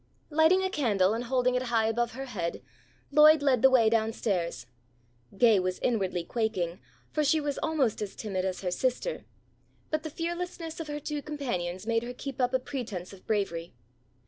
Lighting a candle and holding it high above her head, Lloyd led the way down stairs. Gay was inwardly quaking, for she was almost as timid as her sister, but the fearlessness of her two companions made her keep up a pretence of bravery.